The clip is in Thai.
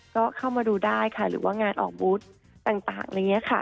ก็เข้ามาดูได้ค่ะหรือว่างานออกบูธต่างอะไรอย่างนี้ค่ะ